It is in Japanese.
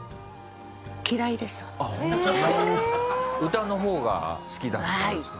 歌の方が好きだったんですか？